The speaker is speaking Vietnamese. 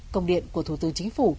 công điện của thủ tư chính trị